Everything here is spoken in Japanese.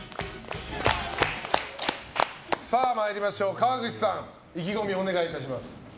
川口さん意気込みをお願いします。